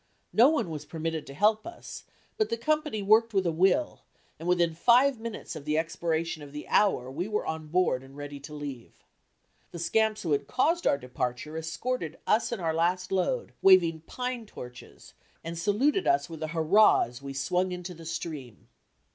No one was permitted to help us, but the company worked with a will and within five minutes of the expiration of the hour we were on board and ready to leave. The scamps who had caused our departure escorted us and our last load, waving pine torches, and saluted us with a hurrah as we swung into the stream.